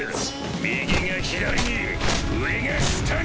右が左に上が下に！